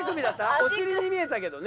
お尻に見えたけどね。